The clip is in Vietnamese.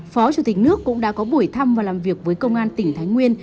phó chủ tịch nước cũng đã có buổi thăm và làm việc với công an tỉnh thái nguyên